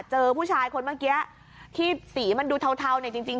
เจอผู้ชายคนเมื่อกี้ที่สีมันดูเทาเนี่ยจริง